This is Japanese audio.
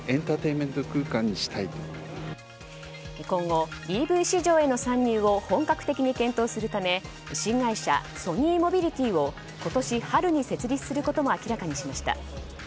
今後、ＥＶ市場への参入を本格的に検討するため新会社ソニーモビリティを今年春に設立することも明らかにしました。